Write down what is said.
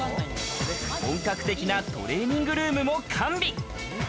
本格的なトレーニングルームも完備。